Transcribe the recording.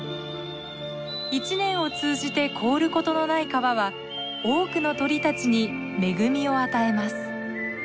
一年を通じて凍ることのない川は多くの鳥たちに恵みを与えます。